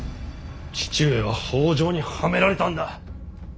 父上は北条にはめられたんだ。